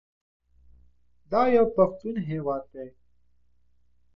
په ناجوړتيا کې کار مه کوه